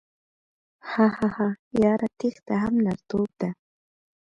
هههههه یاره تیښته هم نرتوب ده